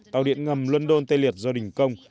tàu điện ngầm london tê liệt do đỉnh công